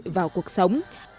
vào cuộc sống